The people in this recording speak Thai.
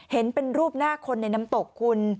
เห็นเป็นรูปหน้าคนในน้ำตกคุณ